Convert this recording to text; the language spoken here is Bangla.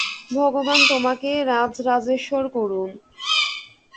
ভগবান তোমাকে রাজরাজেশ্বর করুন।